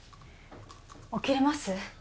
起きれます？